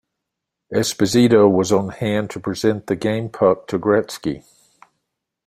Esposito was on hand to present the game puck to Gretzky.